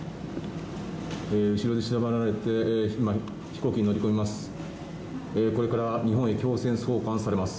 後ろで縛られて今、飛行機に乗り込みます。